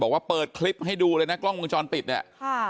บอกว่าเปิดคลิปให้ดูเลยนะกล้องวงจรปิดเนี่ยค่ะ